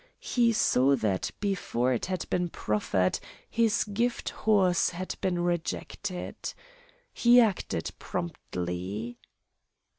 He saw that before it had been proffered, his gift horse had been rejected. He acted promptly.